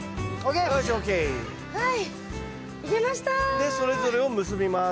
でそれぞれを結びます。